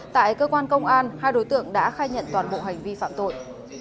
tại cơ quan công an hai đối tượng đã khai nhận toàn bộ hành vi phạm tội